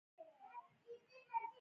فوسیل سون توکي هوا ککړوي